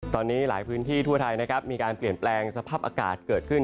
ตอนนี้หลายพื้นที่ทั่วไทยนะครับมีการเปลี่ยนแปลงสภาพอากาศเกิดขึ้น